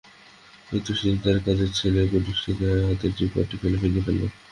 এই তো সেদিন তাঁদের কাজের ছেলে কুদ্দুস হাত থেকে ফেলে টী-পট ভেঙে ফেলল।